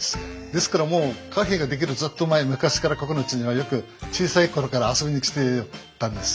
ですからもうカフェが出来るずっと前昔からここのうちにはよく小さい頃から遊びに来てたんですよ。